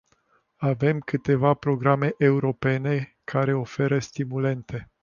Avem câteva programe europene care oferă stimulente.